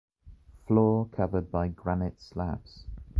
Floor covered by granite slabs.